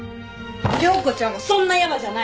庸子ちゃんはそんな柔じゃないの！